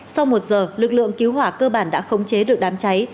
sau một giờ lực lượng cứu hỏa cơ bản đã khống chế được đám cháy